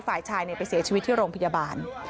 ฝ่ายชายไปเสียชีวิตที่โรงพยาบาล